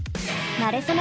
なれそめ！